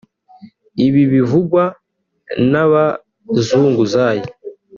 Ibi bivugwa n’ abazunguzayi